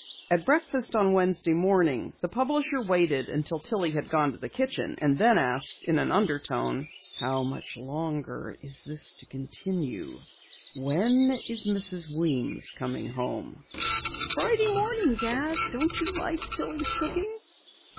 At breakfast on Wednesday morning, the publisher waited until Tillie had gone to the kitchen, and then asked in an undertone: "How much longer is this to continue? When is Mrs. Weems coming home?" "Friday morning, Dad. Don't you like Tillie's cooking?"